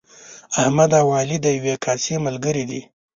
احمد او علي د یوې کاسې ملګري دي.